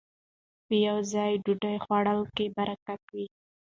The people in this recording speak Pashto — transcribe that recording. په يوه ځای ډوډۍ خوړلو کې برکت وي